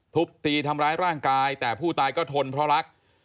ทุบตีทำร้ายร่างกายแต่ผู้ตายก็ทนเพราะรัก